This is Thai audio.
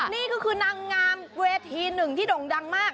นี่ก็คือนางงามเวทีหนึ่งที่ด่งดังมาก